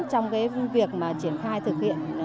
trong cái việc mà triển khai thực hiện